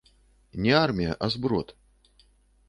Не армія, а зброд.